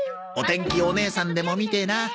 お天気お姉さんでも見てな。